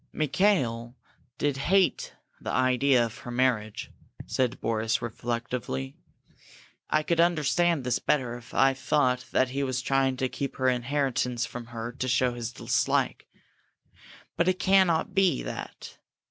"Mikail did hate the idea of her marriage," said Boris, reflectively. "I could understand this better if I thought that he was trying to keep her inheritance from her to show his dislike. But it cannot be that.